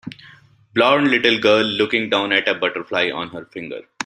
Blond little girl looking down at a butterfly on her finger.